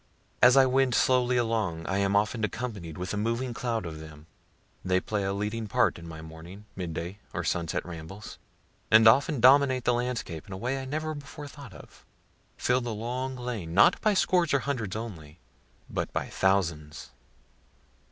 As I wend slowly along, I am often accompanied with a moving cloud of them. They play a leading part in my morning, midday or sunset rambles, and often dominate the landscape in a way I never before thought of fill the long lane, not by scores or hundreds only, but by thousands.